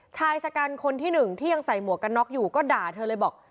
ชายชะกันคนที่หนึ่งที่ยังใส่หมวกกันน็อกอยู่ก็ด่าเธอเลยบอก